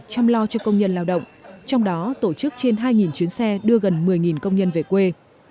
chăm lo cho công nhân lao động trong đó tổ chức trên hai chuyến xe đưa gần một mươi công nhân về quê